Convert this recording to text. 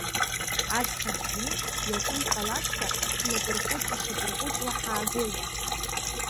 Аӡӷаб дир, иакәымк ҟалазшәа, ҳнапырҟәыҷышьапырҟәыҷуа ҳаагылоит.